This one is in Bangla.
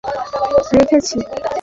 আমরা ওনাকে নজরদারিতে রেখেছি।